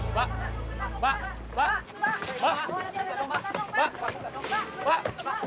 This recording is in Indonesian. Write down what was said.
mbak mbak mbak mbak